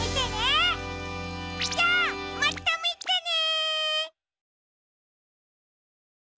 じゃあまたみてね！